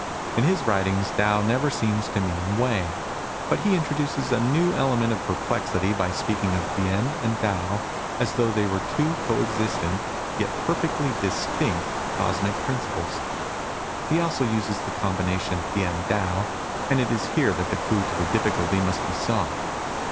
In his writings Tao never seems to mean " way." But he introduces a new element of perplexity by speaking of Tien and Tao as though they were two co existent yet perfectly distinct cosmic principles. He also uses the combination Tien Tao, and it is here that the clue to the difficulty must be sought.